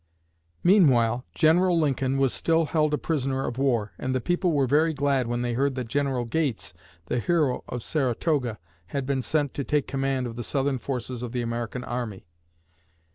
Meanwhile, General Lincoln was still held a prisoner of war and the people were very glad when they heard that General Gates, the hero of Saratoga, had been sent to take command of the Southern forces of the American army.